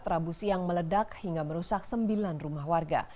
rabu siang meledak hingga merusak sembilan rumah warga